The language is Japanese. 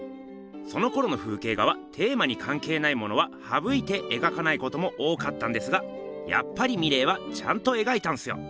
そのころの風景画はテーマにかんけいないものははぶいて描かないことも多かったんですがやっぱりミレーはちゃんと描いたんすよ。